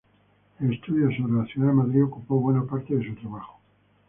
El estudio sobre la ciudad de Madrid ocupó buena parte de su trabajo.